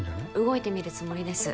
動いてみるつもりです